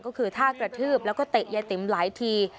ก็คือท่ากระทืบแล้วก็เตะยายติ๋มหลายที